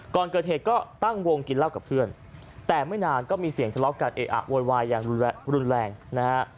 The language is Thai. ก่อนเกิดเหตุก็ตั้งวงกินเหล้ากับเพื่อนแต่ไม่นานก็มีเสียงทะเลาะกันเออะโวยวายอย่างรุนแรงนะฮะ